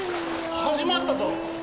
始まったぞ。